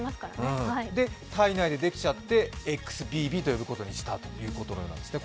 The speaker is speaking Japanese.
体内でできちゃってＸＢＢとしたということなんですね。